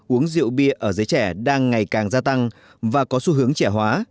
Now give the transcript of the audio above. uống rượu bia ở giới trẻ đang ngày càng gia tăng và có xu hướng trẻ hóa